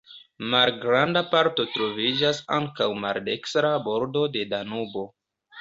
Malgranda parto troviĝas ankaŭ maldekstra bordo de Danubo.